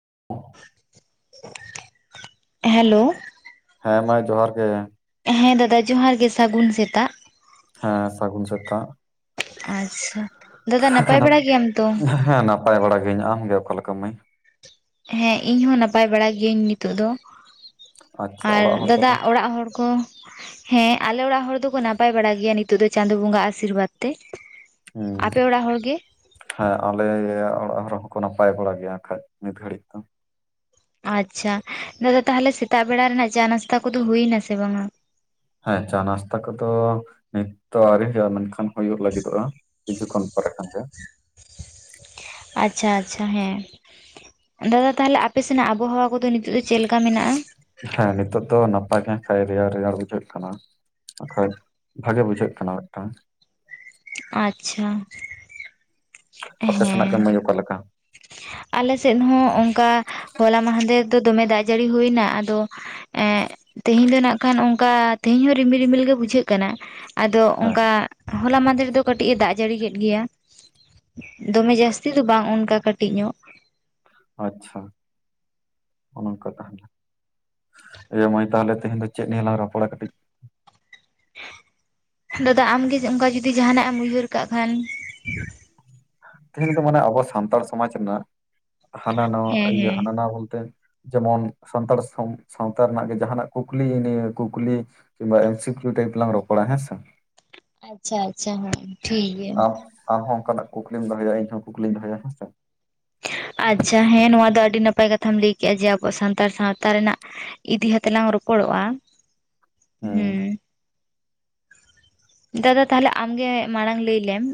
[inaudible] Hello. ᱦᱮᱸ ᱢᱟ ᱡᱚᱦᱟᱨ ᱜᱮ᱾ ᱦᱮᱸ ᱫᱟᱫᱟ ᱡᱚᱦᱟᱨ ᱜᱮ ᱥᱟᱹᱜᱩᱱ ᱥᱮᱛᱟᱜ᱾ ᱦᱮᱸ ᱥᱟᱹᱜᱩᱱ ᱥᱮᱛᱟᱜ᱾ ᱟᱪᱪᱷᱟ ᱫᱟᱫᱟ ᱱᱟᱯᱟᱭ ᱵᱟᱲᱟ ᱜᱮᱭᱟᱢ ᱛᱚ? ᱦᱮᱸ ᱱᱟᱯᱟᱭ ᱵᱟᱲᱟ ᱜᱤᱭᱟᱹᱧ᱾ ᱟᱢ ᱜᱮ ᱚᱠᱟ ᱞᱮᱠᱟ ᱢᱟᱹᱭ? ᱦᱮᱸ, ᱤᱧ ᱦᱚᱸ ᱱᱟᱯᱟᱭ ᱵᱟᱲᱟ ᱜᱤᱭᱟᱹᱧ ᱱᱤᱛᱚᱜ ᱫᱚ᱾ ᱟᱪᱪᱷᱟ ᱟᱨ ᱚᱲᱟᱜ ᱦᱚᱲ ᱫᱟᱫᱟ ᱠᱚᱫᱚ ᱚᱲᱟᱜ ᱦᱚᱲ ᱠᱚ? ᱦᱮᱸ ᱟᱞᱮ ᱚᱲᱟᱜ ᱦᱚᱲ ᱫᱚᱠᱚ ᱱᱟᱯᱟᱭ ᱵᱟᱲᱟ ᱜᱮᱭᱟ ᱱᱤᱛᱚᱜ ᱫᱚ ᱪᱟᱸᱫ ᱵᱚᱸᱜᱟ ᱟᱥᱤᱨᱵᱟᱫᱽ ᱛᱮ᱾ ᱦᱩᱸ ᱟᱯᱮ ᱚᱲᱟᱜ ᱦᱚᱲᱲ ᱜᱮ? ᱦᱮᱸ ᱟᱞᱮᱭᱟᱜ ᱚᱲᱟᱜ ᱦᱚᱲ ᱦᱚᱸᱠᱚ ᱱᱟᱯᱟᱭ ᱵᱟᱲᱟ ᱜᱮᱭᱟ ᱦᱟᱸᱜᱠᱷᱟᱡ ᱱᱤᱛ ᱜᱷᱟᱹᱲᱤᱡ ᱫᱚ᱾ ᱟᱪᱪᱷᱟ ᱫᱟᱫᱟ ᱛᱟᱦᱞᱮ ᱥᱮᱛᱟᱜ ᱵᱮᱲᱟ ᱨᱮᱱᱟᱜ ᱪᱟ ᱱᱟᱥᱛᱟ ᱠᱚᱫᱚ ᱦᱩᱭᱱᱟ ᱥᱮ ᱵᱟᱝᱟ? ᱦᱮᱸ ᱪᱟ ᱱᱟᱥᱛᱟ ᱠᱚᱫᱚ ᱱᱤᱛ ᱫᱚ ᱟᱹᱣᱨᱤ ᱦᱩᱭᱩᱜᱼᱟ, ᱢᱮᱱᱠᱷᱟᱱ ᱦᱩᱭᱩᱜ ᱞᱟᱹᱜᱤᱫᱚᱜᱼᱟ ᱠᱤᱪᱷᱩ ᱠᱷᱚᱱ ᱯᱟᱨᱟᱠᱷᱟᱱ ᱜᱮ᱾ ᱟᱪᱪᱷᱟ ᱟᱪᱪᱷᱟ ᱦᱮᱸ᱾ ᱫᱟᱫᱟ ᱛᱟᱦᱞᱮ ᱟᱯᱮ ᱥᱮᱱᱟᱜ ᱟᱵᱚᱦᱟᱣᱟ ᱠᱚᱫᱚ ᱱᱤᱛᱚᱜ ᱫᱚ ᱪᱮᱫ ᱞᱮᱠᱟ ᱢᱮᱱᱟᱜᱼᱟ? ᱦᱮᱸ ᱱᱤᱛᱚᱜ ᱫᱚ ᱱᱟᱯᱟᱭ ᱜᱮ ᱠᱷᱟᱡ ᱨᱮᱭᱟᱲ ᱨᱮᱭᱟᱲ ᱵᱩᱡᱷᱟᱹᱜ ᱠᱟᱱᱟ᱾ ᱦᱳᱭ ᱵᱷᱟᱜᱮ ᱵᱩᱡᱷᱟᱹᱜ ᱠᱟᱱᱟ ᱢᱤᱫᱴᱟᱝ᱾ ᱟᱪᱪᱷᱟ᱾ ᱟᱯᱮ ᱥᱮᱱᱟᱜ ᱜᱮ ᱦᱮᱸ ᱢᱟᱭ. ᱚᱠᱟ ᱞᱮᱠᱟ? ᱟᱞᱮ ᱥᱮᱫ ᱦᱚᱸ ᱚᱝᱠᱟ ᱦᱚᱞᱟ ᱢᱟᱦᱫᱮ ᱫᱚ ᱫᱚᱢᱮ ᱫᱟᱜ ᱡᱟᱹᱲᱤ ᱦᱩᱭᱱᱟ ᱟᱫᱚ ᱮᱸᱜ, ᱛᱤᱦᱤᱧ ᱫᱚ ᱱᱟᱜ ᱠᱷᱟᱱ ᱚᱝᱠᱟ ᱛᱤᱦᱤᱧ ᱦᱚᱸ ᱨᱤᱢᱤᱞ ᱨᱤᱢᱤᱞ ᱜᱮ ᱵᱩᱡᱷᱟᱹᱜ ᱠᱟᱱᱟ᱾ ᱟᱫᱚ ᱦᱮᱸ ᱚᱝᱠᱟ ᱦᱚᱞᱟ ᱢᱟᱸᱫᱷᱮᱨ ᱫᱚ ᱠᱟᱹᱴᱤᱡ-ᱮ ᱫᱟᱜ ᱡᱟᱹᱲᱤ ᱠᱮᱫ ᱜᱮᱭᱟ, ᱫᱚᱢᱮ ᱡᱟᱹᱥᱛᱤ ᱫᱚ ᱵᱟᱝ ᱚᱱᱠᱟ ᱠᱟᱹᱴᱤᱡ ᱧᱚᱜ᱾ ᱟᱪᱪᱷᱟ ᱚᱱᱠᱟ ᱛᱟᱦᱞᱮ᱾ ᱤᱭᱟᱹ ᱢᱟᱹᱭ ᱛᱟᱦᱞᱮ ᱛᱮᱦᱮᱧ ᱫᱚ ᱪᱮᱫ ᱱᱤᱭᱟᱞᱟᱝ ᱨᱯᱚᱲᱟ ᱠᱟᱹᱴᱤᱡ? ᱫᱟᱫᱟ ᱟᱢᱜᱮ ᱚᱝᱠᱟ ᱡᱩᱫᱤ ᱡᱟᱦᱟᱱᱟᱜ-ᱮᱢ ᱩᱭᱦᱟᱹᱨ ᱠᱟᱜ ᱠᱷᱟᱱ᱾ ᱛᱮᱦᱮᱧ ᱫᱚ ᱢᱟᱱᱮ ᱟᱵᱚ ᱥᱟᱱᱛᱟᱲ ᱥᱚᱢᱟᱡᱽ ᱨᱮᱱᱟᱜ ᱦᱟᱱᱟ ᱱᱚᱣᱟ ᱦᱮᱸ ᱤᱭᱟᱹ ᱦᱮᱸ ᱦᱟᱱᱟ ᱱᱚᱣᱟ ᱵᱚᱞᱛᱮ ᱡᱮᱢᱚᱱ ᱥᱟᱱᱛᱟᱲ ᱥᱟᱶ ᱥᱟᱶᱛᱟ ᱨᱮᱱᱟᱜ ᱜᱮ ᱡᱟᱦᱟᱱᱟᱜ ᱠᱩᱠᱞᱤ ᱱᱤᱭᱮ ᱠᱩᱠᱞᱤ ᱠᱤᱢᱵᱟ ᱮᱢ ᱥᱤ ᱠᱤᱭᱩ ᱴᱟᱭᱤᱯ ᱞᱟᱝ. ᱨᱚᱯᱚᱲᱟ ᱦᱮᱸ ᱥᱮ᱾ ᱟᱪᱪᱷᱟ ᱟᱪᱪᱷᱟ ᱦᱮᱸ ᱴᱷᱤᱠ ᱜᱮᱭᱟ᱾ ᱟᱢ ᱟᱢ ᱦᱚᱸ ᱚᱱᱝᱠᱟᱱᱟᱜ ᱠᱩᱠᱞᱤᱢ ᱫᱚᱦᱚᱭᱟ ᱤᱧ ᱦᱚᱸ ᱠᱩᱠᱞᱤᱧ ᱫᱚᱭᱟ ᱦᱮᱸ ᱥᱮ᱾ ᱟᱪᱪᱷᱟ ᱦᱮᱸ ᱱᱚᱣᱟ ᱫᱚ ᱟᱹᱰᱤ ᱱᱟᱯᱟᱭ ᱠᱟᱛᱷᱟᱢ ᱞᱟᱹᱭ ᱠᱮᱜᱼᱟ ᱡᱮ ᱟᱵᱚ ᱥᱟᱱᱛᱟᱲ ᱥᱟᱶᱛᱟ ᱨᱮᱱᱟᱜ ᱤᱫᱤ ᱠᱟᱛᱮᱜ ᱞᱟᱝ ᱨᱚᱯᱚᱲᱚᱜᱼᱟ ᱦᱩᱸ᱾ ᱫᱟᱫᱟ ᱛᱟᱦᱞᱮ ᱟᱢᱜᱮ ᱢᱟᱲᱟᱝ ᱞᱟᱹᱭᱞᱮᱢ᱾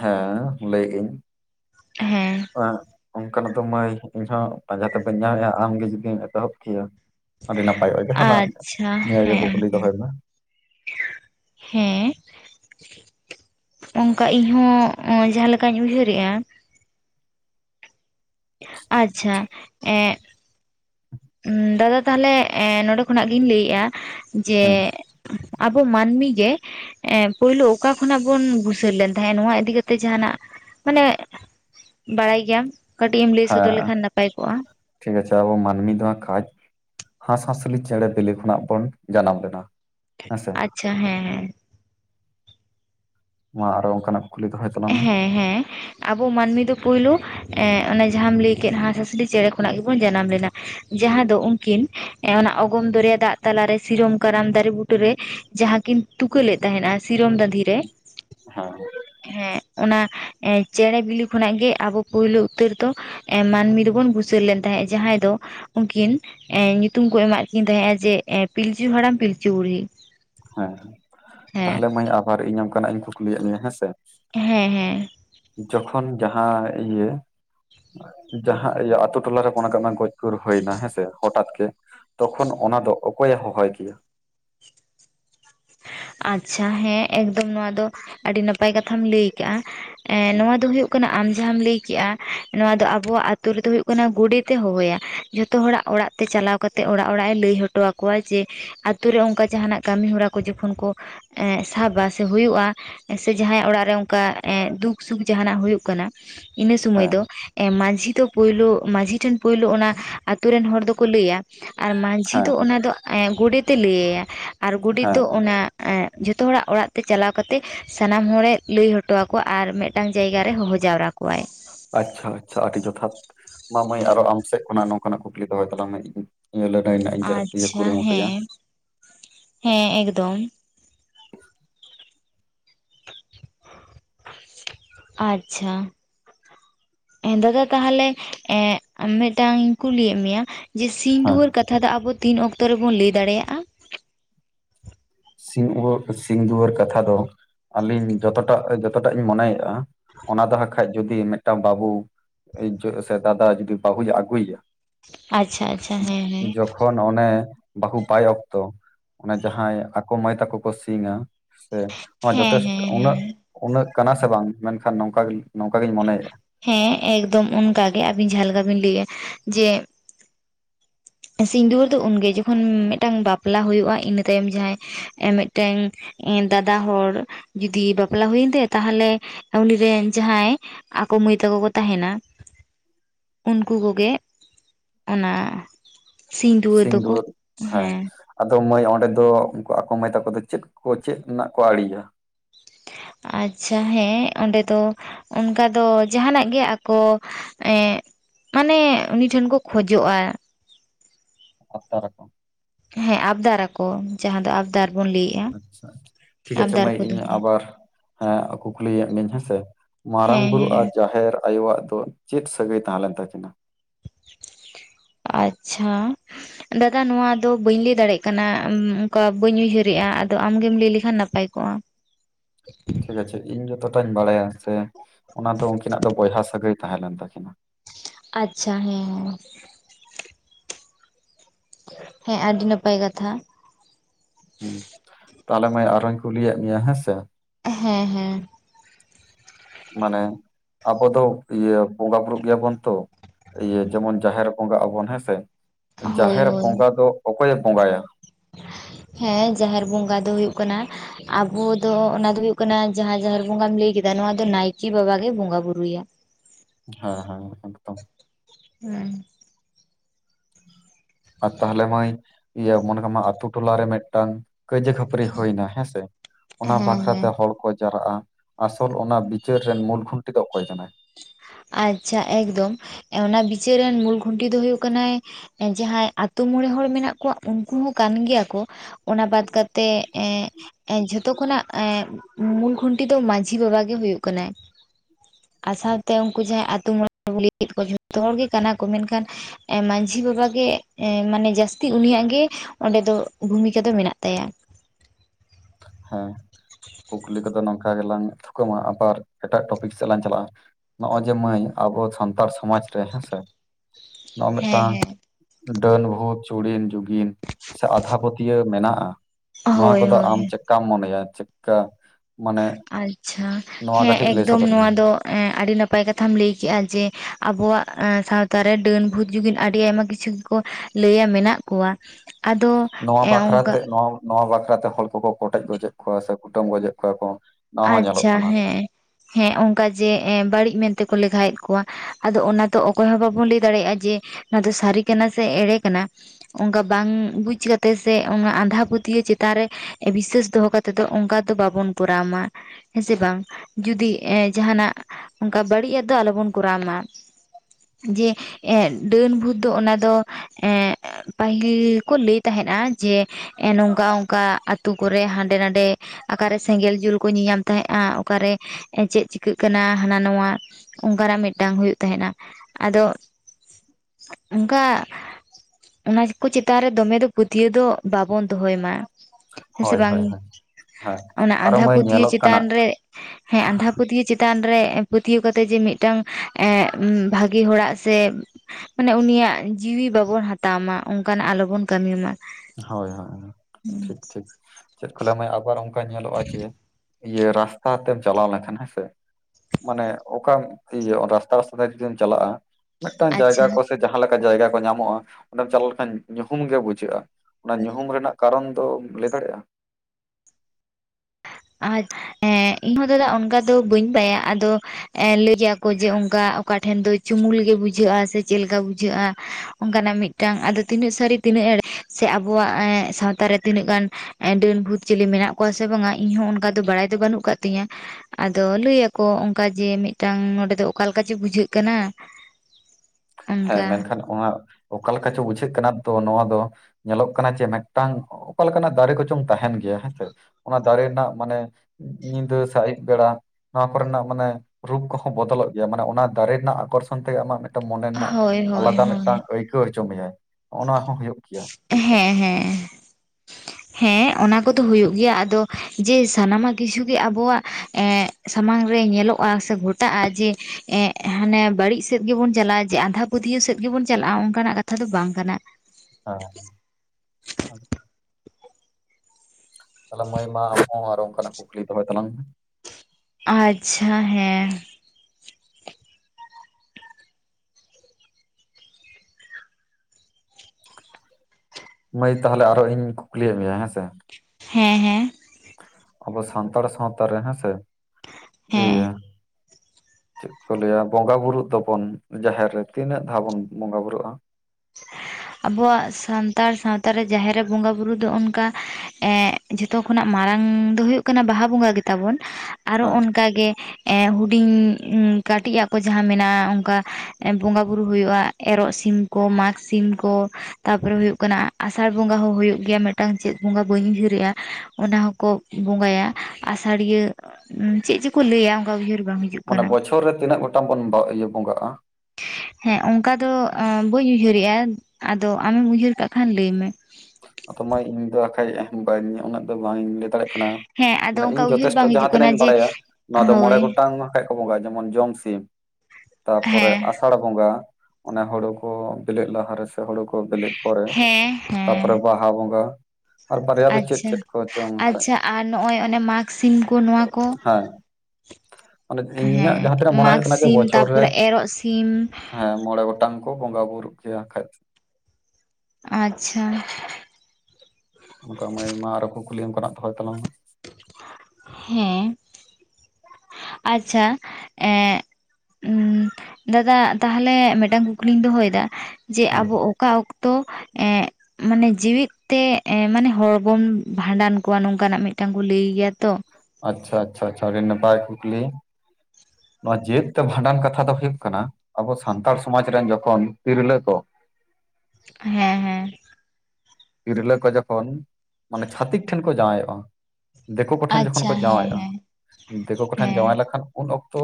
ᱦᱮᱸ ᱞᱟᱹᱭᱮᱜ-ᱟᱹᱧ, ᱦᱮᱸ ᱮᱸᱜ ᱚᱱᱠᱟᱱᱟᱜ ᱫᱚ ᱢᱟᱹᱭ ᱤᱧᱦᱚ ᱯᱟᱸᱡᱟᱛᱮ ᱵᱟᱹᱧ ᱧᱟᱢᱮᱜᱼᱟ ᱟᱢᱜᱮ ᱡᱩᱫᱤᱢ ᱮᱛᱚᱦᱚᱵ ᱠᱮᱭᱟ᱾ ᱟᱹᱰᱤ ᱱᱟᱯᱟᱭᱚᱜᱼᱟ ᱡᱟᱦᱟ ᱫᱚ ᱟᱪᱪᱷᱟ ᱱᱤᱭᱟᱹ ᱜᱮ ᱦᱮᱸ ᱠᱩᱠᱞᱤ ᱫᱚᱦᱚᱭ ᱢᱮ᱾ ᱦᱮᱸ᱾ ᱚᱱᱠᱟ ᱤᱧ ᱦᱚᱸ ᱮᱸ ᱡᱟᱦᱟᱸ ᱞᱮᱠᱟᱧ ᱩᱭᱦᱟᱹᱨᱮᱜᱼᱟ᱾ ᱟᱪᱪᱷᱟ, ᱮᱸ ᱫᱟᱫᱟ ᱛᱟᱦᱞᱮ ᱮ ᱱᱚᱸᱰᱮ ᱠᱷᱚᱱᱟᱜ ᱜᱤᱧ ᱞᱟᱹᱭᱮᱜᱼᱟ, ᱡᱮ ᱦᱮᱸ ᱟᱵᱚ ᱢᱟᱹᱱᱢᱤ ᱡᱮ ᱮ ᱯᱳᱭᱞᱳ ᱚᱠᱟ ᱠᱷᱚᱱᱟᱜ ᱵᱚᱱ ᱵᱩᱥᱟᱹᱨ ᱞᱮᱱ ᱛᱟᱦᱮᱸ ᱱᱚᱣᱟ ᱤᱫᱤ ᱠᱟᱛᱮᱜ ᱡᱟᱦᱟᱱᱟᱜ ᱢᱟᱱᱮ ᱵᱟᱲᱟᱭ ᱜᱮᱭᱟᱢ ᱠᱟᱹᱴᱤᱡ ᱮᱢ ᱞᱟᱹᱭ ᱥᱚᱫᱚᱨ ᱦᱮᱸ ᱞᱮᱠᱷᱟᱱ ᱱᱟᱯᱟᱭ ᱠᱚᱜᱼᱟ᱾ ᱴᱷᱤᱠ ᱟᱪᱷᱮ ᱟᱵᱚ ᱢᱟᱹᱱᱢᱤ ᱫᱚ ᱦᱟᱸᱜ ᱠᱟᱡᱽ ᱦᱟᱸᱥᱼᱦᱟᱸᱥᱞᱤ ᱪᱮᱬᱮ ᱵᱤᱞᱤ ᱠᱷᱚᱱᱟᱜ ᱵᱚᱱ ᱡᱟᱱᱟᱢ ᱞᱮᱱᱟ, ᱦᱮᱸᱥᱮ᱾ ᱪᱷᱟ ᱦᱮᱸ ᱦᱮᱸ᱾ ᱢᱟ ᱟᱨᱚ ᱚᱱᱠᱟᱱᱟᱜ ᱠᱷᱩᱞᱤ ᱫᱚᱦᱚᱭ ᱛᱟᱞᱟᱝ ᱢᱮ᱾ ᱦᱮᱸ ᱦᱮᱸ᱾ ᱟᱵᱚ ᱢᱟᱹᱱᱢᱤ ᱫᱚ ᱯᱳᱭᱞᱳ ᱮᱸ ᱚᱱᱮ ᱡᱟᱦᱟᱸᱢ ᱞᱟᱹᱭ ᱠᱮᱫ ᱦᱟᱸᱥᱼᱦᱟᱸᱥᱞᱤ ᱪᱮᱬᱮ ᱠᱷᱚᱱᱟᱜ ᱜᱮᱵᱚᱱ ᱡᱟᱱᱟᱢ ᱞᱮᱱᱟ᱾ ᱡᱟᱦᱟᱸ ᱫᱚ ᱩᱱᱠᱤᱱ ᱮ ᱚᱱᱟ ᱚᱜᱚᱢ ᱫᱚᱨᱭᱟ ᱫᱟᱜ ᱛᱟᱞᱟ ᱨᱮ ᱥᱤᱨᱚᱢ ᱠᱟᱨᱟᱢ ᱫᱟᱨᱮ ᱵᱩ ᱴᱟᱹ ᱨᱮ ᱡᱟᱦᱟᱸ ᱠᱤᱱ ᱛᱩᱠᱟᱹ ᱞᱮᱜ ᱛᱟᱦᱮᱱᱟ ᱥᱤᱨᱚᱢ ᱫᱟᱺᱫᱷᱤ ᱨᱮ᱾ ᱦᱮᱸ᱾ ᱦᱮᱸ, ᱚᱱᱟ ᱮᱸ ᱪᱮᱬᱮ ᱵᱤᱞᱤ ᱠᱷᱚᱱᱟᱜ ᱜᱮ ᱟᱵᱚ ᱯᱳᱭᱞᱳ ᱩᱛᱟᱹᱨ ᱫᱚ ᱮ ᱢᱟᱹᱱᱢᱤ ᱫᱚᱵᱚᱱ ᱵᱩᱥᱟᱹᱨ ᱞᱮᱱ ᱛᱟᱦᱮᱸᱜ, ᱡᱟᱦᱟᱸᱭ ᱫᱚ ᱩᱱᱠᱤᱱ ᱮ ᱧᱩᱛᱩᱢ ᱠᱚ ᱮᱢᱟᱫ ᱠᱤᱱ ᱛᱟᱦᱮᱸᱜᱼᱟ ᱡᱮ ᱮ ᱯᱤᱞᱪᱩ ᱦᱟᱲᱟᱢ, ᱯᱤᱞᱪᱩ ᱵᱩᱲᱦᱤ᱾ ᱦᱮᱸ ᱦᱮᱸ, ᱦᱮᱸ ᱛᱟᱦᱚᱞᱮ ᱢᱟᱹᱭ ᱟᱵᱟᱨ ᱤᱧ ᱚᱱᱠᱟᱱᱟᱜ ᱤᱧ ᱠᱩᱠᱞᱤᱭᱮᱜ ᱢᱮᱭᱟ ᱦᱮᱸ ᱥᱮ᱾ ᱦᱮᱸ, ᱦᱮᱸ᱾ ᱡᱚᱠᱷᱚᱱ ᱡᱟᱦᱟᱸ ᱤᱭᱟᱹ ᱡᱟᱦᱟᱸ ᱤᱭᱟᱹ ᱟᱹᱛᱩ ᱴᱚᱞᱟ ᱨᱮ ᱢᱚᱱᱮ ᱠᱟᱜ ᱢᱮ ᱜᱚᱡ ᱜᱩᱨ ᱦᱩᱭᱱᱟ ᱦᱮᱸ ᱥᱮ ᱦᱚᱴᱟᱛ ᱜᱮ᱾ ᱛᱚᱠᱷᱚᱱ ᱚᱱᱟ ᱫᱚ ᱚᱠᱚᱭᱮ ᱦᱚᱦᱚᱭ ᱜᱮᱭᱟ? ᱟᱪᱪᱷᱟ ᱦᱮᱸ ᱮᱠᱫᱚᱢ ᱱᱚᱣᱟ ᱫᱚ ᱟᱹᱰᱤ ᱱᱟᱯᱟᱭ ᱠᱟᱛᱷᱟᱢ ᱞᱟᱹᱭ ᱠᱟᱜᱼᱟ᱾ ᱮ ᱱᱚᱣᱟ ᱫᱚ ᱦᱩᱭᱩᱜ ᱠᱟᱱᱟ ᱟᱢ ᱡᱟᱦᱟᱸᱢ ᱞᱟᱹᱭ ᱠᱮᱜᱼᱟ᱾ ᱱᱚᱣᱟ ᱫᱚ ᱟᱵᱚᱣᱟᱜ ᱟᱛᱳ ᱨᱮᱫᱚ ᱦᱩᱭᱩᱜ ᱠᱟᱱᱟ ᱜᱳᱰᱮᱛ ᱮ ᱦᱚᱦᱚᱭᱟ, ᱡᱷᱚᱛᱚ ᱦᱚᱲᱟᱜ ᱚᱲᱟᱜ ᱛᱮ ᱪᱟᱞᱟᱣ ᱠᱟᱛᱮ ᱚᱲᱟᱜ ᱚᱲᱟᱜ ᱮ ᱞᱟᱹᱭ ᱦᱚᱴᱚ ᱟᱠᱚᱣᱟ ᱡᱮ ᱟᱹᱛᱩ ᱨᱮ ᱚᱱᱠᱟ ᱡᱟᱦᱟᱸᱱᱟᱜ ᱠᱟᱹᱢᱤ ᱦᱚᱨᱟ ᱠᱚ ᱡᱚᱠᱷᱚᱱ ᱠᱚ ᱮᱸ ᱥᱟᱵᱟ ᱥᱮ ᱦᱩᱭᱩᱜᱼᱟ ᱥᱮ ᱡᱟᱦᱟᱸᱭᱟᱜ ᱚᱲᱟᱜ ᱨᱮ ᱚᱱᱠᱟ ᱮᱸ ᱫᱩᱠ ᱥᱩᱠ ᱡᱟᱦᱟᱸᱱᱟᱜ ᱦᱩᱭᱩᱜ ᱠᱟᱱᱟ᱾ ᱤᱱᱟᱹ ᱥᱩᱢᱚᱭ ᱦᱮᱸ ᱫᱚ᱾ ᱮ ᱢᱟᱹᱡᱷᱤ ᱫᱚ ᱯᱳᱭᱞᱳ ᱢᱟᱹᱡᱷᱤ ᱴᱷᱮᱱ ᱯᱳᱭᱞᱳ ᱚᱱᱟ ᱟᱛᱳ ᱨᱮᱱ ᱦᱚᱲ ᱫᱚᱠᱚ ᱞᱟᱹᱭᱟ᱾ ᱟᱨ ᱢᱟᱹᱡᱷᱤ ᱦᱮᱸ ᱫᱚ ᱚᱱᱟ ᱫᱚ ᱮᱸ ᱜᱚᱰᱮᱛ ᱮ ᱞᱟᱹᱭ ᱟᱭᱟ, ᱟᱨ ᱜᱚᱰᱮᱛ ᱫᱚ ᱚᱱᱟ [inaudible] ᱡᱷᱚᱛᱚ ᱦᱚᱲᱟᱜ ᱚᱲᱟᱜ ᱛᱮ ᱪᱟᱞᱟᱣ ᱠᱟᱛᱮ ᱥᱟᱱᱟᱢ ᱦᱚᱲ ᱮ ᱞᱟᱹᱭ ᱦᱚᱴᱚ ᱟᱠᱚᱣᱟ ᱟᱨ ᱢᱮᱜᱴᱟᱝ ᱡᱟᱭᱜᱟ ᱨᱮ ᱦᱚᱦᱚ ᱡᱟᱣᱨᱟ ᱠᱚᱣᱟᱭ᱾ ᱟᱪᱪᱷᱟ ᱟᱪᱪᱷᱟ ᱟᱹᱰᱤ ᱡᱚᱛᱷᱟᱛ, ᱢᱟ ᱢᱟᱹᱭ ᱟᱨᱚ ᱟᱢ ᱥᱮᱫ ᱠᱷᱚᱱᱟᱜ ᱱᱚᱝᱠᱟᱱᱟᱜ ᱠᱩᱠᱞᱤ ᱫᱚᱦᱚᱭ ᱛᱟᱞᱟᱝ ᱢᱮ ᱤ-ᱤᱧ ᱞᱟᱹᱱᱟᱹᱭ ᱨᱮᱱᱟᱜ ᱡᱟᱦᱟᱸ ᱤᱭᱟᱹ ᱟᱪᱪᱷᱟ ᱠᱩᱨᱩᱼᱢᱩᱴᱩᱭᱟ᱾ ᱦᱮᱸ ᱦᱮᱸ ᱮᱠᱫᱚᱢ᱾ ᱟᱪᱪᱷᱟ᱾ ᱦᱮᱸ ᱫᱟᱫᱟ ᱛᱟᱦᱚᱞᱮ ᱮᱸ ᱢᱤᱫᱴᱟᱝ ᱠᱩᱞᱤᱭᱮᱜ ᱢᱮᱭᱟ᱾ ᱡᱮ ᱥᱤᱧ ᱦᱮᱸ ᱫᱩᱣᱟᱹᱨ ᱠᱟᱛᱷᱟ ᱫᱚ ᱟᱵᱚ ᱛᱤᱱ ᱚᱠᱛᱚ ᱨᱮᱵᱚᱱ ᱞᱟᱹᱭ ᱫᱟᱲᱮᱭᱟᱜᱼᱟ᱾ ᱥᱤᱧ ᱩᱣᱟᱹ ᱥᱤᱧ ᱫᱩᱣᱟᱹᱨ ᱠᱟᱛᱷᱟ ᱫᱚ ᱟᱹᱞᱤᱧ ᱡᱚᱛᱚᱴᱟᱜ ᱡᱚᱛᱚᱴᱟᱜ ᱤᱧ ᱢᱚᱱᱮᱭ ᱠᱟᱜᱼᱟ ᱚᱱᱟ ᱫᱚ ᱦᱟᱜ ᱠᱷᱟᱡ ᱡᱩᱫᱤ ᱢᱮᱜᱴᱟᱝ ᱵᱟᱹᱵᱩ ᱥᱮ ᱫᱟᱫᱟ ᱡᱩᱫᱤ ᱵᱟᱹᱦᱩᱭ ᱟᱹᱜᱩᱭᱮᱭᱟ᱾ ᱟᱪᱪᱷᱟ ᱟᱪᱪᱷᱟ ᱦᱮᱸ ᱦᱮᱸ ᱡᱚᱠᱷᱚᱱ᱾ ᱱᱚᱜᱼᱚᱱᱮ ᱵᱟᱹᱦᱩ ᱵᱟᱭ ᱚᱠᱛᱚ ᱚᱱᱮ ᱡᱟᱦᱟᱸᱭ ᱟᱠᱚ ᱢᱟᱹᱭ ᱛᱟᱠᱚ ᱠᱚ ᱥᱤᱧᱟ᱾ ᱥᱮ ᱦᱮᱸ ᱡᱚᱛᱷᱮᱥᱴ ᱦᱮᱸ ᱦᱮᱸ ᱩᱱᱟᱹᱜ ᱩᱱᱟᱹᱜ ᱠᱟᱱᱟ ᱥᱮ ᱵᱟᱝ ᱢᱮᱱᱠᱷᱟᱱ ᱱᱚᱝᱠᱟ ᱜᱮᱞ ᱱᱚᱝᱠᱟ ᱜᱮᱧ ᱢᱚᱱᱮᱭᱫᱟ᱾ ᱦᱮᱸ ᱮᱠᱫᱚᱢ ᱚᱱᱠᱟ ᱜᱮ ᱟᱹᱵᱤᱱ ᱡᱟᱦᱟᱸ ᱞᱮᱠᱟ ᱵᱤᱱ ᱞᱟᱹᱭᱼᱮ ᱡᱮ ᱥᱤᱧ ᱫᱩᱣᱟᱹᱨ ᱫᱚ ᱩᱱ ᱜᱮ ᱡᱚᱠᱷᱚᱱ ᱢᱮᱜᱴᱟᱝ ᱵᱟᱯᱞᱟ ᱦᱩᱭᱩᱜᱼᱟ ᱤᱱᱟᱹ ᱛᱟᱭᱚᱢ ᱡᱟᱦᱟᱸᱭ ᱮ ᱢᱮᱜᱴᱮᱝ ᱮᱸ... ᱫᱟᱫᱟ ᱦᱳᱲ ᱡᱩᱫᱤ ᱵᱟᱯᱞᱟ ᱦᱩᱭ ᱮᱱ ᱛᱟᱭᱟ ᱛᱟᱦᱚᱞᱮ ᱩᱱᱤ ᱨᱮᱱ ᱡᱟᱦᱟᱸᱭ ᱟᱠᱚ ᱢᱟᱹᱭ ᱛᱟᱠᱳ ᱠᱚ ᱛᱟᱦᱮᱱᱟ ᱩᱱᱠᱩ ᱠᱚᱜᱮ ᱚᱱᱟ ᱥᱤᱸᱫᱩᱣᱟᱹ ᱥᱤᱧ ᱫᱚᱠᱚ ᱫᱩᱣᱟᱹᱨ ᱦᱮᱸ ᱟᱫᱚ ᱢᱟᱹᱭ ᱚᱸᱰᱮ ᱫᱚ ᱩᱱᱠᱩ ᱟᱠᱚ ᱢᱟᱹᱭ ᱛᱟᱠᱚ ᱫᱚ ᱪᱮᱫ ᱠᱚ ᱪᱮᱫ ᱨᱮᱱᱟᱜ ᱠᱚ ᱟᱹᱲᱤᱭᱟ ᱟᱪᱪᱷᱟ ᱦᱮᱸ ᱚᱸᱰᱮ ᱫᱚ ᱚᱱᱠᱟ ᱫᱚ ᱡᱟᱦᱟᱸᱱᱟᱜ ᱜᱮ ᱟᱠᱚ ᱮᱸ ᱢᱟᱱᱮ ᱩᱱᱤ ᱴᱷᱮᱱ ᱠᱚ ᱠᱷᱚᱡᱚᱜ-ᱟ ᱟᱵᱫᱟᱨ ᱟᱠᱚ ᱦᱮᱸ ᱟᱵᱫᱟᱨ ᱟᱠᱚ ᱡᱟᱦᱟᱸ ᱫᱚ ᱟᱵᱫᱟᱨ ᱵᱚᱱ ᱞᱟᱹᱭ ᱮᱫ ᱟᱪᱪᱷᱟ ᱟᱪᱷᱟ ᱴᱷᱤᱠ ᱟᱪᱷᱮ ᱢᱟᱹᱭ ᱤᱧ ᱟᱵᱟᱨ ᱦᱮᱸ ᱠᱩᱠᱞᱤᱭᱮᱫ ᱢᱮᱭᱟᱹᱧ ᱦᱮᱸ ᱥᱮ ᱢᱟᱨᱟᱝ ᱦᱮᱸ ᱵᱩᱨᱩ ᱦᱮᱸ ᱟᱨ ᱡᱟᱦᱮᱨ ᱟᱭᱳ ᱣᱟᱜ ᱫᱚ ᱪᱮᱫ ᱥᱟᱹᱜᱟᱹᱭ ᱛᱟᱦᱮᱸ ᱞᱮᱱ ᱛᱟᱹᱠᱤᱱᱟ? ᱟᱪᱪᱷᱟ ᱫᱟᱫᱟ ᱱᱚᱶᱟ ᱫᱚ ᱵᱟᱹᱧ ᱞᱟᱹᱭ ᱫᱟᱲᱮᱭᱟᱜ ᱠᱟᱱᱟ ᱚᱱᱠᱟ ᱵᱟᱹᱧ ᱩᱭᱦᱟᱹᱨᱮᱫ-ᱟ ᱟᱫᱚ ᱟᱢᱜᱮᱢ ᱞᱟᱹᱭ ᱞᱮᱠᱷᱟᱱ ᱱᱟᱯᱟᱭ [inaudible] [inaudible] ᱴᱷᱤᱠ ᱟᱪᱷᱮ ᱤᱧ ᱡᱚᱛᱚᱴᱟᱧ ᱵᱟᱲᱟᱭᱟ ᱥᱮ ᱚᱱᱟ ᱫᱚ ᱩᱱᱠᱤᱱᱟᱜ ᱫᱚ ᱵᱚᱭᱦᱟ ᱥᱟᱹᱜᱟᱹᱭ ᱛᱟᱦᱮᱸ ᱞᱮᱱ ᱛᱟᱹᱠᱤᱱᱟ ᱟᱪᱪᱷᱟ ᱦᱮᱸ ᱦᱮᱸ ᱦᱮᱸ ᱟᱹᱰᱤ ᱱᱟᱯᱟᱭ ᱠᱟᱛᱷᱟ ᱦᱮᱸ ᱛᱟᱦᱚᱞᱮ ᱢᱟᱹᱭ ᱟᱨᱦᱚᱸᱧ ᱠᱩᱞᱤᱭᱮᱫ ᱢᱮᱭᱟ ᱦᱮᱸ ᱥᱮ ᱦᱮᱸ ᱦᱮᱸ ᱢᱟᱱᱮ ᱟᱵᱚ ᱫᱚ ᱤᱭᱟᱹ ᱵᱚᱸᱜᱟ ᱵᱩᱨᱩᱜ ᱜᱮᱭᱟ ᱵᱚᱱ ᱛᱚ ᱤᱭᱟᱹ ᱡᱮᱢᱚᱱ ᱡᱟᱦᱮᱨ ᱵᱚᱸᱜᱟ ᱟᱵᱚᱱ ᱦᱮᱸᱥᱮ ᱦᱳᱭ ᱡᱟᱦᱮᱨ ᱦᱳᱭ ᱵᱚᱸᱜᱟ ᱫᱚ ᱚᱠᱚᱭᱮ ᱵᱚᱸᱜᱟᱭᱟ [inaudible] ᱦᱮᱸ ᱡᱟᱦᱮᱨ ᱵᱚᱸᱜᱟ ᱫᱚ ᱦᱩᱭᱩᱜ ᱠᱟᱱᱟ ᱟᱵᱚ ᱫᱚ ᱚᱱᱟ ᱫᱚ ᱦᱩᱭᱩᱜ ᱠᱟᱱᱟ ᱡᱟᱦᱟᱸ ᱡᱟᱦᱮᱨ ᱵᱚᱸᱜᱟᱢ ᱞᱟᱹᱭ ᱠᱮᱫᱟ ᱱᱚᱶᱟ ᱫᱚ ᱱᱟᱭᱠᱮ ᱵᱟᱵᱟ ᱜᱮ ᱵᱚᱸᱜᱟ ᱵᱩᱨᱩᱭᱟ ᱦᱮᱸ ᱦᱮᱸ ᱮᱠᱫᱚᱢ ᱦᱩᱸ ᱟᱨ ᱛᱟᱦᱚᱞᱮ ᱢᱟᱹᱭ ᱤᱭᱟᱹ ᱢᱚᱱᱮ ᱠᱟᱜ ᱢᱮ ᱟᱹᱛᱩ ᱴᱚᱞᱟ ᱨᱮ ᱢᱤᱫᱴᱟᱝ ᱠᱟᱹᱭᱡᱟᱹ ᱠᱷᱟᱹᱯᱟᱹᱨᱤ ᱦᱩᱭ ᱮᱱᱟ ᱦᱮᱸ ᱥᱮ ᱚᱱᱟ ᱦᱮᱸ ᱵᱟᱠᱷᱨᱟ ᱦᱮᱸ ᱛᱮ ᱦᱚᱲ ᱠᱚ ᱡᱟᱣᱨᱟᱜ-ᱟ ᱟᱥᱚᱞ ᱚᱱᱟ ᱵᱤᱪᱟᱹᱨ ᱨᱮᱱ ᱢᱩᱞ ᱠᱷᱩᱱᱴᱤ ᱫᱚ ᱚᱠᱚᱭ ᱠᱟᱱᱟᱭ ᱟᱪᱪᱷᱟ ᱮᱠᱫᱚᱢ ᱚᱱᱟ ᱵᱤᱪᱟᱹᱨ ᱨᱮᱱ ᱢᱩᱞ ᱠᱷᱩᱱᱴᱤ ᱫᱚ ᱦᱩᱭᱩᱜ ᱠᱟᱱᱟᱭ ᱡᱟᱦᱟᱸᱭ ᱟᱹᱛᱩ ᱢᱚᱬᱮ ᱦᱚᱲ ᱢᱮᱱᱟᱜ ᱠᱚᱣᱟ ᱩᱱᱠᱩ ᱦᱚᱸ ᱠᱟᱱ ᱜᱮᱭᱟ ᱠᱚ ᱚᱱᱟ ᱵᱟᱫ ᱠᱟᱛᱮ ᱮᱸ ᱮᱸ ᱡᱷᱚᱛᱚ ᱠᱷᱚᱱᱟᱜ ᱮᱸ ᱢᱩᱞ ᱠᱷᱩᱱᱴᱤ ᱫᱚ ᱢᱟᱹᱡᱷᱤ ᱵᱟᱵᱟ ᱜᱮ ᱦᱩᱭᱩᱜ ᱠᱟᱱᱟᱭ ᱟᱨ ᱥᱟᱶᱛᱮ ᱩᱱᱠᱩ ᱡᱟᱦᱟᱸᱭ ᱟ ᱟᱹᱛᱩ ᱢᱚᱬᱮ ᱦᱚᱲ ᱵᱚᱱ ᱞᱟᱹᱭᱮᱫ ᱠᱚ ᱩᱱᱠᱩ ᱡᱚᱛᱚ ᱦᱚᱲ ᱜᱮ ᱠᱟᱱᱟ ᱠᱚ ᱢᱮᱱᱠᱷᱟᱱ ᱢᱟᱹᱡᱷᱤ ᱵᱟᱵᱟ ᱜᱮ ᱢᱟᱱᱮ ᱡᱟᱹᱥᱛᱤ ᱩᱱᱤᱭᱟᱜ ᱜᱮ ᱚᱸᱰᱮ ᱫᱚ ᱵᱷᱩᱢᱤᱠᱟ ᱫᱚ ᱢᱮᱱᱟᱜ ᱛᱟᱭᱟ ᱦᱮᱸ ᱠᱩᱠᱞᱤ ᱠᱚᱫᱚ ᱱᱚᱝᱠᱟ ᱜᱮᱞᱟᱝ ᱛᱷᱩᱠᱟᱹᱢᱟ ᱟᱵᱟᱨ ᱮᱴᱟᱜ ᱴᱚᱯᱤᱠ ᱥᱮᱫ ᱞᱟᱝ ᱪᱟᱞᱟᱜ-ᱟ ᱱᱚᱜ-ᱚᱭ ᱡᱮ ᱢᱟᱹᱭ ᱟᱵᱚ ᱥᱟᱱᱛᱟᱲ ᱥᱚᱢᱟᱡᱽ ᱨᱮ ᱦᱮᱸ ᱥᱮ ᱱᱚᱜ-ᱚᱭ ᱦᱮᱸ ᱢᱤᱫᱴᱟᱝ ᱦᱮᱸ ᱰᱟᱹᱱ ᱵᱷᱩᱛ ᱪᱩᱲᱤᱱ ᱡᱩᱜᱤᱱ ᱥᱮ ᱟᱸᱫᱷᱟ ᱯᱟᱹᱛᱭᱟᱹᱣ ᱢᱮᱱᱟᱜ-ᱟ ᱱᱚᱶᱟ ᱦᱳᱭ ᱠᱚ ᱫᱚ ᱦᱳᱭ ᱟᱢ ᱪᱮᱫ ᱠᱟᱢ ᱢᱚᱱᱮᱭᱟ ᱪᱮᱫ ᱠᱟ ᱢᱟᱱᱮ ᱟᱪᱪᱷᱟ ᱱᱚᱣᱟ ᱦᱮᱸ ᱠᱟᱹᱴᱤᱡ ᱞᱟᱹᱭ ᱮᱠᱫᱚᱢ ᱥᱚᱫᱚᱨ ᱱᱚᱶᱟ ᱢᱮ ᱫᱚ ᱮ ᱟᱹᱰᱤ ᱱᱟᱯ.... ᱯᱟᱭ ᱠᱟᱛᱷᱟᱢ ᱞᱟᱹᱭ ᱠᱮᱜ-ᱟ ᱡᱮ ᱟᱵᱚᱣᱟᱜ ᱥᱟᱶᱛᱟ ᱨᱮ ᱰᱟᱹᱱ ᱵᱷᱩᱛ ᱡᱩᱜᱤᱱ ᱟᱹᱰᱤ ᱟᱭᱢᱟ ᱠᱤᱪᱷᱩ ᱜᱮ ᱠᱚ ᱞᱟᱹᱭᱟ ᱢᱮᱱᱟᱜ ᱠᱚᱣᱟ ᱟᱫᱚ ᱱᱚᱣᱟ ᱮ.. ᱵᱟᱠᱷᱨᱟ ᱚᱱᱠᱟ ᱛᱮ ᱱᱚᱣᱟ ᱱᱚᱣᱟ ᱵᱟᱠᱷᱨᱟ ᱛᱮ ᱦᱚᱲ ᱠᱚᱠᱚ ᱠᱚᱴᱮᱡ ᱜᱚᱡ ᱮᱫ ᱠᱚᱣᱟ ᱥᱮ ᱠᱩᱴᱟᱹᱢ ᱜᱚᱡ ᱮᱫ ᱠᱚᱣᱟ ᱠᱚ ᱱᱚᱣᱟ ᱦᱚᱸ ᱧᱮᱞᱚᱜ ᱟᱪᱪᱷᱟ ᱠᱟᱱᱟ ᱦᱮᱸ ᱦᱮᱸ ᱚᱱᱠᱟ ᱡᱮ ᱵᱟᱹᱲᱤᱡ ᱢᱮᱱ ᱛᱮ ᱠᱚ ᱞᱮᱠᱷᱟᱭᱮᱫ ᱠᱚᱣᱟ ᱟᱫᱚ ᱚᱱᱟ ᱫᱚ ᱚᱠᱚᱭ ᱦᱚᱸ ᱵᱟᱵᱚᱱ ᱞᱟᱹᱭ ᱫᱟᱲᱮᱭᱟᱜ-ᱟ ᱡᱮ ᱱᱚᱶᱟ ᱫᱚ ᱥᱟᱹᱨᱤ ᱠᱟᱱᱟ ᱥᱮ ᱮᱲᱮ ᱠᱟᱱᱟ ᱚᱱᱠᱟ ᱵᱟᱝ ᱵᱩᱡᱽ ᱠᱟᱛᱮ ᱥᱮ ᱚᱱᱟ ᱟᱸᱫᱷᱟ ᱯᱟᱹᱛᱭᱟᱹᱣ ᱪᱮᱛᱟᱱ ᱨᱮ ᱵᱤᱥᱣᱟᱹᱥ ᱫᱚᱦᱚ ᱠᱟᱛᱮ ᱫᱚ ᱚᱱᱠᱟ ᱫᱚ ᱵᱟᱵᱚᱱ ᱠᱚᱨᱟᱣ ᱢᱟ ᱦᱮᱸ ᱥᱮ ᱵᱟᱝ ᱡᱩᱫᱤ ᱮᱸ ᱡᱟᱦᱟᱸᱱᱟᱜ ᱚᱱᱠᱟ ᱵᱟᱹᱲᱤᱡ-ᱟᱜ ᱫᱚ ᱟᱞᱚᱵᱚᱱ ᱠᱚᱨᱟᱣ ᱢᱟ ᱡᱮ ᱮᱸᱻ ᱰᱟᱹᱱ ᱵᱷᱩᱛ ᱫᱚ ᱚᱱᱟ ᱫᱚ ᱮᱸᱻ ᱯᱟᱹᱦᱤᱞ ᱠᱚ ᱞᱟᱹᱭ ᱛᱟᱦᱮᱸᱫ-ᱟ, ᱡᱮ ᱱᱚᱝᱠᱟ, ᱚᱝᱠᱟ ᱟᱹᱛᱩ ᱠᱚᱨᱮ ᱦᱟᱸᱰᱮ ᱱᱟᱰᱮ ᱚᱠᱟ ᱨᱮ ᱥᱮᱸᱜᱮᱞ ᱡᱩᱞ ᱠᱚ ᱧᱮᱧᱟᱢ ᱛᱟᱦᱮᱸᱫ-ᱟ, ᱚᱠᱟ ᱨᱮ ᱪᱮᱫ ᱪᱤᱠᱟᱹᱜ ᱠᱟᱱᱟ, ᱦᱟᱱᱟ ᱱᱟᱣᱟ ᱚᱱᱠᱟᱱᱟᱜ ᱢᱤᱫᱴᱟᱝ ᱦᱩᱭᱩᱜ ᱛᱟᱦᱮᱸᱱᱟ ᱟᱫᱚ ᱚᱱᱠᱟ ᱚᱱᱟ ᱠᱚ ᱪᱮᱛᱟᱱ ᱨᱮ ᱫᱚᱢᱮ ᱫᱚ ᱯᱟᱹᱛᱭᱟᱹᱣ ᱫᱚ ᱵᱟᱵᱚᱱ ᱫᱚᱦᱚᱭ ᱢᱟ᱾ ᱦᱮᱸ ᱥᱮ ᱦᱳᱭ, ᱵᱟᱝ ᱦᱳᱭ, ᱦᱳᱭᱻ ᱦᱮᱸ ᱟᱨᱦᱚᱸ ᱢᱟᱹᱭ ᱧᱮᱞᱚᱜ ᱠᱟᱱᱟ ᱯᱮ ᱦᱮᱸ ᱟᱸᱫᱷᱟ ᱯᱟᱹᱛᱭᱟᱹᱣ ᱪᱮᱛᱟᱱ ᱨᱮ ᱯᱟᱹᱛᱭᱟᱹᱣ ᱠᱟᱛᱮ ᱡᱮ ᱢᱤᱫᱴᱟᱝ ᱵᱷᱟᱹᱜᱮ ᱦᱚᱲᱟᱜ ᱥᱮ ᱢᱟᱱᱮ ᱩᱱᱤᱭᱟᱜ ᱡᱤᱣᱤ ᱵᱟᱵᱚᱱ ᱦᱟᱛᱟᱣ ᱢᱟ᱾ ᱚᱱᱠᱟᱱᱟᱜ ᱟᱞᱚ ᱵᱚᱱ ᱠᱟᱹᱢᱤ ᱢᱟ᱾ ᱦᱚᱭ - ᱦᱚᱭ - ᱦᱚᱭᱻ ᱴᱷᱤᱠ ᱴᱷᱤᱠ ᱪᱮᱫ ᱠᱚ ᱞᱟᱹᱭᱟ ᱢᱟᱹᱭ ᱟᱵᱟᱨ ᱚᱱᱠᱟ ᱧᱮᱞᱚᱜ-ᱟ ᱡᱮ, ᱤᱭᱟᱹ ᱨᱟᱥᱛᱟ ᱛᱮᱢ ᱪᱟᱞᱟᱣ ᱞᱮᱱ ᱠᱷᱟᱱ ᱦᱮᱸ ᱥᱮ ᱢᱟᱱᱮ ᱚᱠᱟ ᱤᱭᱟᱹ ᱨᱟᱥᱛᱟ - ᱨᱟᱥᱛᱟ ᱛᱮ ᱡᱩᱫᱤᱢ ᱪᱟᱞᱟᱜ-ᱟ ᱢᱤᱫᱴᱟᱝ ᱡᱟᱭᱜᱟ ᱟᱪᱪᱷᱟ ᱠᱚ ᱥᱮ ᱡᱟᱦᱟᱸ ᱞᱮᱠᱟ ᱡᱟᱭᱜᱟ ᱠᱚ ᱧᱟᱢᱚᱜ-ᱟ, ᱚᱸᱰᱮᱢ ᱪᱟᱞᱟᱣ ᱞᱮᱠᱷᱟᱱ ᱧᱩᱦᱩᱢ ᱜᱮ ᱵᱩᱡᱷᱟᱹᱜ-ᱟ᱾ ᱚᱱᱟ ᱧᱩᱦᱩᱢ ᱨᱮᱱᱟᱜ ᱠᱟᱨᱚᱱ ᱫᱚᱢ ᱞᱟᱹᱭ ᱫᱟᱲᱮᱭᱟᱜ-ᱟ᱾ ᱟᱨ ᱮᱸ ᱤᱧ ᱦᱚᱸ ᱫᱟᱫᱟ ᱚᱱᱠᱟ ᱫᱚ ᱵᱟᱹᱧ ᱵᱟᱟᱭᱟ ᱟᱫᱚ ᱮᱸ ᱞᱟᱹᱭ ᱜᱮᱭᱟ ᱠᱚ ᱡᱮ ᱚᱱᱠᱟ ᱚᱠᱟ ᱴᱷᱮᱱ ᱫᱚ ᱪᱩᱢᱩᱞ ᱜᱮ ᱵᱩᱡᱷᱟᱹᱜ-ᱟ᱾ ᱥᱮ ᱪᱮᱫ ᱞᱮᱠᱟ ᱵᱩᱡᱷᱟᱹᱜ-ᱟ ᱚᱱᱠᱟᱱᱟᱜ ᱢᱤᱫ ᱴᱟᱝ ᱟᱫᱚ ᱛᱤᱱᱟᱹᱜ ᱥᱟᱹᱨᱤ, ᱛᱤᱱᱟᱹᱜ ᱮᱲᱮ, ᱥᱮ ᱟᱵᱚᱣᱟᱜ ᱮᱸ ᱥᱟᱶᱛᱟ ᱨᱮ ᱛᱤᱱᱟᱹᱜ ᱜᱟᱱ ᱮᱸ ᱰᱟᱹᱱ ᱵᱷᱩᱛ ᱪᱮᱞᱮ ᱢᱮᱱᱟᱜ ᱠᱚᱣᱟ ᱥᱮ ᱵᱟᱝᱼᱟ, ᱤᱧᱦᱚᱸ ᱚᱱᱠᱟ ᱫᱚ ᱵᱟᱲᱟᱭ ᱫᱚ ᱵᱟᱹᱱᱩᱜ ᱠᱟᱜ ᱛᱤᱧᱟ ᱟᱫᱚ ᱞᱟᱹᱭᱟ ᱠᱚ ᱚᱝᱠᱟ ᱡᱮ ᱢᱤᱫᱴᱟᱱ ᱱᱚᱸᱰᱮ ᱫᱚ ᱚᱠᱟ ᱞᱮᱠᱟ ᱪᱚ ᱵᱩᱡᱷᱟᱹᱜ ᱠᱟᱱᱟ᱾ ᱦᱮᱸ ᱚᱱᱠᱟ ᱢᱮᱱᱠᱷᱟᱱ ᱚᱱᱟ ᱚᱠᱟ ᱞᱮᱠᱟ ᱪᱚ, ᱵᱩᱡᱷᱟᱹᱜ ᱠᱟᱱᱟ ᱛᱚ ᱱᱚᱣᱟ ᱫᱚᱼᱼ ᱧᱮᱞᱚᱜ ᱠᱟᱱᱟ ᱪᱮ ᱢᱮᱜᱴᱟᱝ ᱚᱠᱟ ᱞᱮᱠᱟ ᱱᱟᱜ ᱫᱟᱨᱮ ᱠᱚᱪᱚᱝ ᱛᱟᱦᱮᱸᱱ ᱜᱮᱭᱟ ᱦᱮᱸᱥᱮ ᱚᱱᱟ ᱫᱟᱨᱮ ᱨᱮᱱᱟᱜ ᱢᱟᱱᱮᱼᱼ ᱩᱸ ᱧᱤᱝᱟᱹᱥᱮ ᱟᱭᱩᱵ ᱵᱮᱲᱟ᱾ ᱱᱚᱣᱟ ᱠᱚᱨᱮᱱᱟᱜ ᱢᱟᱱᱮ ᱨᱩᱯ ᱠᱚᱦᱚᱸ ᱵᱚᱫᱚᱞᱚᱼᱜ ᱜᱮᱭᱟ, ᱢᱟᱱᱮ ᱚᱱᱟ ᱫᱟᱨᱮ ᱨᱮᱱᱟᱜ ᱟᱠᱚᱨᱥᱚᱱ ᱛᱮᱜᱮ ᱟᱢᱟᱜ ᱢᱤᱜᱴᱟᱝ ᱢᱚᱱᱮᱼᱼ ᱦᱳᱭ ᱦᱳᱭ ᱟᱞᱟᱫᱟ ᱦᱳᱭ ᱢᱤᱫᱴᱟᱝ ᱟᱹᱭᱠᱟᱹᱣ ᱪᱚ ᱢᱮᱭᱟᱭ ᱦᱚᱸᱜ-ᱚ ᱱᱚᱣᱟ ᱦᱚᱸ ᱦᱩᱭᱩᱜ ᱜᱮᱭᱟ ᱦᱮᱸ ᱦᱮᱸ ᱦᱮᱸ᱾ ᱦᱮᱸ ᱚᱱᱟ ᱠᱩᱫᱚ ᱦᱩᱭᱩᱜ ᱜᱮᱭᱟ ᱟᱫᱚ ᱡᱮ ᱥᱟᱱᱟᱢᱟᱼᱜ ᱠᱤᱪᱷᱩ ᱜᱮ ᱟᱵᱚᱣᱟᱼᱜ ᱮᱸᱜᱼᱼ ᱥᱟᱢᱟᱝ ᱨᱮ ᱧᱮᱞᱚᱜ-ᱟ, ᱥᱮ ᱜᱷᱚᱴᱟᱜ-ᱟ ᱡᱮ ᱮᱸᱜ ᱦᱟᱱᱮ ᱵᱟᱹᱲᱤᱡ ᱥᱮᱫ ᱜᱮᱵᱚᱱ ᱪᱟᱞᱟᱜ-ᱟ ᱡᱮ ᱟᱸᱫᱷᱟᱼᱼ ᱯᱟᱹᱛᱭᱟᱹᱣ ᱥᱮᱫ ᱜᱮᱵᱚᱱ ᱪᱟᱞᱟᱜ-ᱟ, ᱚᱱᱠᱟᱱᱟᱜ ᱠᱟᱛᱷᱟ ᱫᱚ ᱵᱟᱝ ᱠᱟᱱᱟ᱾ [inaudible] ᱛᱟᱦᱚᱞᱮ ᱢᱟᱹᱭ ᱢᱟ ᱟᱢ ᱦᱚᱸ ᱟᱨᱚ ᱚᱱᱠᱟᱱᱟᱜ ᱠᱩᱠᱞᱤ ᱫᱚᱦᱚᱭ ᱛᱟᱞᱟᱝ ᱢᱮ᱾ ᱟᱪᱪᱷᱟ ᱦᱮᱸ᱾ ᱢᱟᱹᱭ ᱛᱟᱦᱚᱞᱮ ᱟᱨᱚ ᱤᱧ ᱠᱩᱠᱞᱤᱭᱮᱜ ᱢᱮᱭᱟ ᱦᱮᱸ ᱥᱮ᱾ ᱦᱮᱸ ᱦᱮᱸ᱾ ᱟᱵᱚ ᱥᱟᱱᱛᱟᱲ ᱥᱟᱶᱛᱟ ᱨᱮ ᱦᱮᱸᱥᱮ ᱦᱮᱸ ᱤᱭᱟᱹᱼᱼ ᱪᱮᱫ ᱠᱚ ᱞᱟᱹᱭᱟ ᱵᱚᱸᱜᱟ ᱵᱩᱨᱩᱜ ᱫᱚᱵᱚᱱ ᱡᱟᱦᱮᱨ ᱨᱮ ᱛᱤᱱᱟᱹᱜ ᱫᱷᱟᱣ ᱵᱚᱱ ᱵᱚᱸᱜᱟ ᱵᱩᱨᱩᱜ-ᱟ? [inaudible] ᱟᱵᱚᱣᱟᱜ ᱥᱟᱱᱛᱟᱲ ᱥᱟᱶᱛᱟ ᱨᱮ ᱡᱟᱦᱮᱨ ᱨᱮ ᱵᱚᱸᱜᱟ ᱵᱩᱨᱩ ᱫᱚ ᱚᱱᱠᱟ ᱮᱸᱜᱼᱼ ᱡᱷᱚᱛᱚ ᱠᱷᱚᱱᱟᱜ ᱢᱟᱨᱟᱝ ᱫᱚ ᱦᱩᱭᱩᱜ ᱠᱟᱱᱟ ᱵᱟᱦᱟ ᱵᱚᱸᱜᱟ ᱜᱮ, ᱛᱟᱵᱚᱱ ᱟᱨᱚ ᱦᱮᱸ ᱚᱱᱠᱟ ᱜᱮᱼᱼ ᱮ ᱦᱩᱰᱤᱧ ᱩᱧ ᱠᱟᱴᱤᱡ ᱟᱜ ᱠᱚ ᱡᱟᱦᱟᱸ ᱢᱮᱱᱟᱜ-ᱟ ᱚᱱᱠᱟ ᱮᱸ ᱵᱚᱸᱜᱟ ᱵᱩᱨᱩ ᱦᱩᱭᱩᱜ-ᱟ᱾ ᱮᱨᱚᱜ ᱥᱤᱢᱼᱼ ᱠᱚ ᱢᱟᱜᱽ ᱥᱤᱢ ᱠᱚ ᱛᱟᱨᱯᱚᱨᱮ ᱦᱩᱭᱩᱜ ᱠᱟᱱᱟ ᱟᱥᱟᱲ ᱵᱚᱸᱜᱟ ᱦᱚᱸ ᱦᱳᱭᱳᱜ ᱜᱮᱭᱟ, ᱢᱮᱜᱴᱟᱝ ᱪᱮᱜ ᱵᱚᱸᱜᱟ ᱵᱟᱹᱧ ᱩᱭᱦᱟᱹᱨᱮᱜ-ᱟ᱾ ᱚᱱᱟ ᱦᱚᱸᱠᱚ ᱵᱚᱸᱜᱟᱭᱟ ᱟᱥᱟᱲᱤᱭᱟᱹ ᱩᱸ ᱪᱤᱜ ᱪᱚᱠᱚ ᱞᱟᱹᱭᱟ ᱚᱱᱠᱟ ᱩᱭᱦᱟᱹᱨ ᱵᱟᱝ ᱦᱩᱭᱩᱜᱼᱼ ᱢᱟᱱᱮ ᱵᱚᱪᱷᱚᱨ ᱨᱮ ᱛᱤᱱᱟᱹᱜ ᱜᱚᱴᱟᱝ ᱵᱚᱱ ᱵᱟ ᱤᱭᱟᱹ ᱵᱚᱸᱜᱟᱜ-ᱟ? ᱦᱮᱸ ᱚᱝᱠᱟ ᱫᱚ ᱮᱸ ᱵᱟᱹᱧ ᱩᱭᱦᱟᱹᱨᱮᱜ-ᱟ᱾ ᱟᱫᱚ ᱟᱢᱮᱢ ᱩᱭᱦᱟᱹᱨ ᱠᱟᱜ ᱠᱷᱟᱱ ᱫᱚ ᱞᱟᱹᱭ ᱢᱮ? ᱟᱫᱚ ᱢᱟᱹᱭ ᱤᱧ ᱫᱚ ᱠᱷᱟᱡ ᱮ ᱵᱟᱹᱧ ᱩᱱᱟᱹᱜ ᱫᱚ ᱵᱟᱝᱤᱧ ᱞᱟᱹᱭ ᱫᱟᱲᱮᱜ ᱠᱟᱱᱟ᱾ ᱦᱮᱸ ᱟᱫᱚ ᱢᱟᱱᱮ ᱤᱧ ᱚᱱᱠᱟ ᱩᱭᱦᱟᱹᱨ ᱡᱚᱛᱷᱮᱥᱴᱚ ᱵᱟᱝ ᱦᱤᱡᱩᱜ ᱠᱟᱱᱟ ᱡᱟᱦᱟᱸᱛᱤᱱᱟᱹᱜ ᱤᱧ ᱡᱮ ᱵᱟᱲᱟᱭᱟ, ᱱᱚᱣᱟ ᱫᱚ ᱢᱚᱬᱮ ᱦᱳᱭ ᱜᱚᱴᱟᱝᱼᱼ ᱠᱷᱟᱡ ᱠᱚ ᱵᱚᱸᱜᱟᱭ ᱡᱮᱢᱚᱱ ᱡᱚᱢ ᱥᱤᱢ, ᱛᱟᱨᱯᱚᱨᱮ ᱦᱮᱸ ᱟᱥᱟᱲ ᱵᱚᱸᱜᱟ ᱚᱱᱮ ᱦᱳᱲᱳ ᱠᱚ ᱵᱮᱞᱮᱜ ᱞᱟᱦᱟ ᱨᱮ ᱥᱮ ᱦᱳᱲᱳ ᱠᱚ ᱵᱮᱞᱮᱜᱼᱼ ᱦᱮᱸ᱾ ᱦᱮᱸ ᱯᱚᱨᱮ ᱵᱟᱦᱟ ᱵᱚᱸᱜᱟ ᱟᱨ ᱵᱟᱨᱭᱟ ᱫᱚ ᱪᱮᱫ ᱟᱪᱪᱷᱟ ᱪᱮᱫ ᱠᱚ ᱡᱚᱝ ᱠᱷᱟᱡᱽ? ᱟᱪᱪᱷᱟ ᱟᱨ ᱱᱚᱜᱼᱚᱭ ᱚᱱᱮ ᱢᱟᱜᱽ ᱥᱤᱢ ᱠᱚ ᱱᱚᱣᱟ ᱠᱚ ᱦᱮᱸ᱾ ᱢᱟᱱᱮ ᱤᱧᱟᱜ ᱦᱮᱸ ᱡᱟᱦᱟᱸ ᱛᱤᱱᱟᱹᱜ ᱢᱚᱱᱮ ᱢᱟᱜᱽ ᱦᱩᱭᱩᱜ ᱠᱟᱱᱟ ᱡᱮ ᱥᱤᱢ ᱵᱚᱪᱷᱚᱨ ᱨᱮ ᱛᱟᱯᱚᱨᱮ ᱮᱨᱚᱜ ᱥᱤᱢ ᱟᱸ ᱼᱼ ᱦᱮᱸ ᱢᱚᱬᱮ ᱜᱚᱴᱟᱝ ᱠᱚ ᱵᱚᱸᱜᱟ ᱵᱩᱨᱩᱜ ᱜᱮᱭᱟ ᱠᱷᱟᱡᱽᱼᱼ ᱟᱪᱪᱷᱟ᱾ ᱚᱱᱠᱟ ᱢᱟᱹᱭ ᱢᱟ ᱟᱨᱚ ᱠᱩᱠᱞᱤ ᱚᱱᱠᱟ ᱱᱟᱜ ᱫᱚᱦᱚᱭ ᱛᱟᱞᱟᱝ ᱢᱮ? ᱦᱮᱸ᱾ ᱟᱪᱪᱷᱟ ᱮᱸᱜᱼᱼ ᱩᱸ ᱫᱟᱫᱟ ᱛᱟᱦᱟᱞᱮ ᱢᱮᱜᱴᱟᱝ ᱠᱩᱠᱞᱤᱧ ᱫᱚᱦᱚᱭ ᱫᱟ ᱡᱮ ᱦᱮᱸ ᱟᱵᱚ ᱚᱠᱟ ᱚᱠᱛᱚ ᱼᱼ ᱛᱚ ᱮᱸᱜᱼᱼ ᱢᱟᱱᱮ ᱡᱤᱣᱤᱫ ᱛᱮ ᱮᱸ ᱢᱟᱱᱮ ᱦᱚᱲ ᱵᱚᱱ ᱵᱷᱟᱸᱰᱟᱱ ᱠᱚᱣᱟ ᱱᱚᱝᱠᱟ ᱱᱟᱜ ᱢᱤᱫᱴᱟᱝ ᱠᱚ ᱞᱟᱹᱭ ᱜᱮᱭᱟ ᱛᱚ? ᱟᱪᱪᱷᱟ ᱟᱪᱷᱟ ᱟᱪᱷᱟ ᱟᱹᱰᱤ ᱱᱟᱯᱟᱭ ᱠᱩᱠᱞᱤ᱾ ᱱᱚᱣᱟ ᱡᱤᱣᱮᱫ ᱛᱮ ᱵᱷᱟᱸᱰᱟᱱ ᱠᱟᱛᱷᱟ ᱫᱚ ᱦᱩᱭᱩᱜ ᱠᱟᱱᱟ ᱟᱵᱚ ᱥᱟᱱᱛᱟᱲ ᱥᱚᱢᱟᱡᱽ ᱨᱮᱱ ᱡᱚᱠᱷᱚᱱ ᱛᱤᱨᱞᱟᱹ ᱠᱚᱼᱼ ᱦᱮᱸ ᱦᱮᱸ᱾ ᱛᱤᱨᱞᱟᱹ ᱠᱚ ᱡᱚᱠᱷᱚᱱ ᱢᱟᱱᱮ ᱪᱷᱟᱛᱤᱠ ᱴᱷᱮᱱ ᱠᱚ ᱡᱟᱶᱟᱭᱚᱜ-ᱟ᱾ ᱫᱮᱠᱚ ᱠᱚᱴᱷᱮᱱ ᱡᱚᱠᱷᱚᱱ ᱟᱪᱪᱷᱟ ᱠᱚ ᱦᱮᱸ ᱡᱟᱶᱟᱭᱚᱜ-ᱟ, ᱦᱮᱸ ᱫᱮᱠᱚ ᱠᱚᱴᱷᱮᱱ ᱦᱮᱸ ᱡᱟᱶᱟᱭ ᱞᱮᱠᱷᱟᱱ ᱩᱱ ᱚᱠᱛᱚᱼᱼ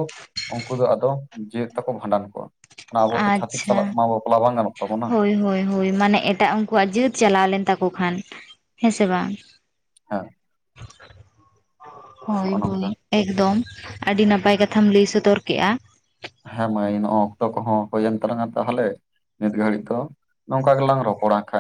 ᱩᱱᱠᱩ ᱫᱚ ᱟᱫᱚ ᱡᱤᱣᱮᱫ ᱛᱮᱠᱚ ᱵᱷᱟᱸᱰᱟᱱ ᱠᱚᱣᱟ᱾ ᱚᱱᱟ ᱟᱵᱚ ᱫᱚ ᱪᱷᱟᱛᱤᱠ ᱟᱪᱪᱷᱟ ᱥᱟᱞᱟᱜ ᱢᱟ ᱵᱟᱯᱞᱟ ᱵᱟᱝ ᱜᱟᱱᱚᱜ ᱛᱟᱵᱚᱱᱟ᱾ ᱦᱳᱭ ᱦᱳᱭ ᱦᱳᱭ ᱢᱟᱱᱮ ᱮᱴᱟᱜ ᱩᱱᱠᱩᱣᱟᱜ ᱡᱟᱹᱛ ᱪᱟᱞᱟᱣ ᱞᱮᱱ ᱛᱟᱠᱚ ᱠᱷᱟᱱ ᱦᱮᱸ ᱥᱮ ᱵᱟᱝ᱾ ᱦᱳᱸᱭ᱾ ᱦᱳᱭ ᱦᱳᱭ ᱮᱠᱫᱚᱢ ᱟᱹᱰᱤ ᱱᱟᱯᱟᱭ ᱠᱟᱛᱷᱟᱢ ᱞᱟᱹᱭ ᱥᱚᱫᱚᱨ ᱠᱮᱫᱮᱜᱼᱟ᱾ ᱦᱮᱸ ᱢᱟᱹᱭ ᱱᱚᱜᱼᱚᱭ ᱚᱠᱛᱚ ᱠᱚᱦᱚᱸ ᱦᱩᱭᱮᱱ ᱛᱟᱞᱟᱝᱼᱟ, ᱛᱟᱦᱚᱞᱮ ᱱᱤᱛ ᱜᱷᱟᱹᱲᱤᱡ ᱫᱚ ᱱᱚᱝᱠᱟ ᱜᱮᱞᱟᱝ ᱨᱚᱯᱚᱲᱟ ᱠᱷᱟᱡᱽ᱾